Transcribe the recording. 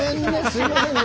すいませんね